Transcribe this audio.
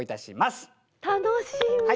楽しみ！